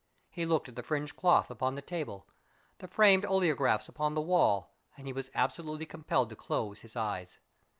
He looked at the fringed cloth upon the table, the framed oleographs upon the wall, and he was absolutely compelled to close his eyes.